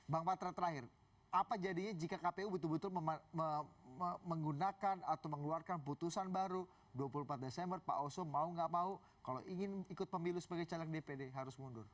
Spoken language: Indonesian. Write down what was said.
bang patra terakhir apa jadinya jika kpu betul betul menggunakan atau mengeluarkan putusan baru dua puluh empat desember pak oso mau nggak mau kalau ingin ikut pemilu sebagai caleg dpd harus mundur